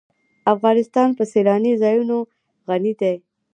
افغانستان په سیلانی ځایونه غني دی.